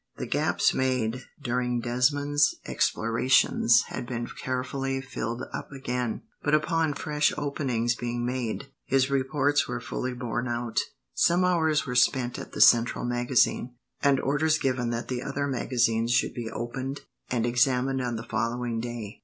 The gaps made during Desmond's explorations had been carefully filled up again, but upon fresh openings being made, his reports were fully borne out. Some hours were spent at the central magazine, and orders given that the other magazines should be opened and examined on the following day.